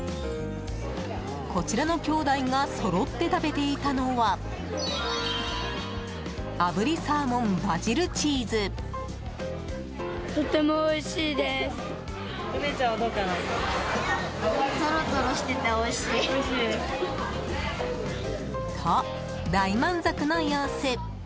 こちらのきょうだいがそろって食べていたのは炙りサーモンバジルチーズ。と、大満足の様子！